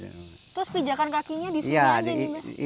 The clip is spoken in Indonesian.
terus pijakan kakinya di sini